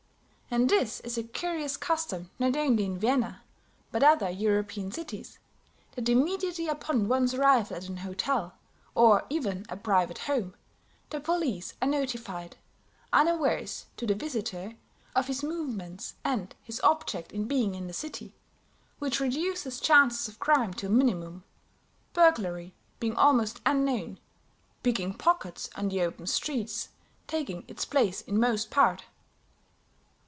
And this is a curious custom, not only in Vienna, but other European cities, that immediately upon one's arrival at an hotel, or even a private home, the police are notified, unawares to the visitor, of his movements and his object in being in the city, which reduces chances of crime to a minimum; burglary being almost unknown, picking pockets on the open streets taking its place in most part.